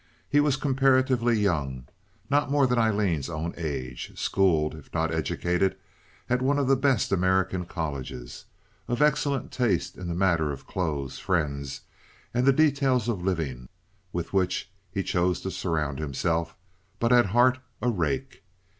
He was comparatively young—not more than Aileen's own age—schooled, if not educated, at one of the best American colleges, of excellent taste in the matter of clothes, friends, and the details of living with which he chose to surround himself, but at heart a rake.